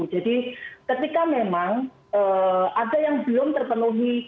jadi ketika memang ada yang belum terpenuhi